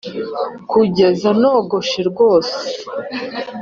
kugeza nogoshe rwose,